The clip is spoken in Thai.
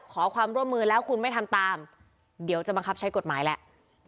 ขอความร่วมมือแล้วคุณไม่ทำตามเดี๋ยวจะบังคับใช้กฎหมายแหละ